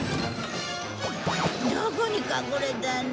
どこに隠れたんだ？